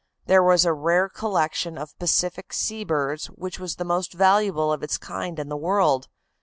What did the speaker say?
There was a rare collection of Pacific Sea birds which was the most valuable of its kind in the world.